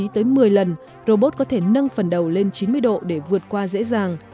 tới một mươi lần robot có thể nâng phần đầu lên chín mươi độ để vượt qua dễ dàng